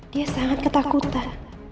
dia sangat ketakutan